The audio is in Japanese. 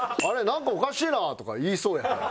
なんかおかしいな」とか言いそうやから。